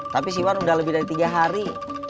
tapi si wan udah lebih dari tiga hari